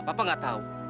papa gak tau